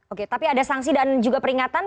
oke tapi ada sanksi dan juga peringatan